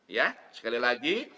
ya sekali lagi